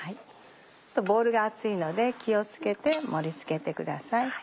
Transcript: ボウルが熱いので気を付けて盛り付けてください。